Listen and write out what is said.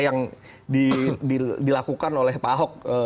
yang dilakukan oleh pak ahok